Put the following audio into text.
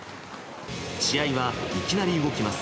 試合はいきなり動きます。